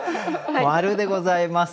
○でございます。